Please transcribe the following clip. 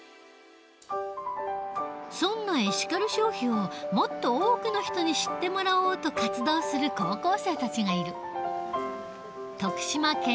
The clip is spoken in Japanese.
そんなエシカル消費をもっと多くの人に知ってもらおうと活動する高校生たちがいる。